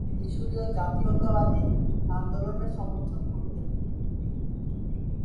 তিনি মিশরীয় জাতীয়তাবাদি আন্দোলনের সমর্থন করতেন।